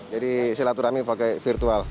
jadi silaturahmi pakai virtual